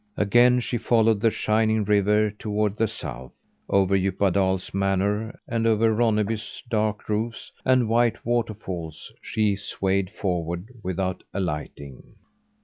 Again she followed the shining river toward the south. Over Djupadal's manor, and over Ronneby's dark roofs and white waterfalls she swayed forward without alighting.